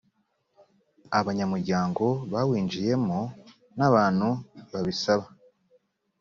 abanyamuryango bawinjiyemo n abantu babisaba